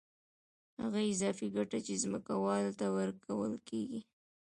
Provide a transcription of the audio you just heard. هغه اضافي ګټه چې ځمکوال ته ورکول کېږي